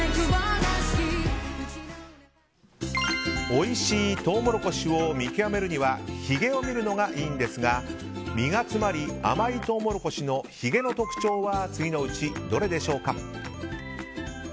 おいしいトウモロコシを見極めるにはひげを見るのがいいのですが実が詰まり、甘いトウモロコシのひげの特徴は次のうちどれでしょうか。